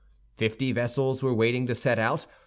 Fifty vessels were waiting to set out.